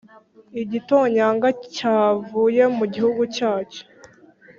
igitonyanga cyavuye mu gihugu cyacyo,